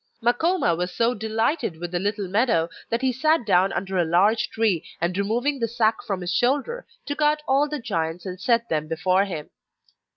Makoma was so delighted with the little meadow that he sat down under a large tree and removing the sack from his shoulder, took out all the giants and set them before him.